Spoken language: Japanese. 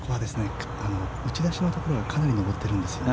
打ちだしのところがかなり下ってるんです。